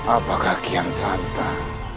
apakah kian santang